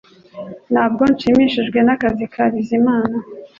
Ntabwo nshimishijwe nakazi ka Bizimana